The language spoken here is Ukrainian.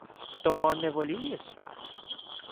— То не волієш?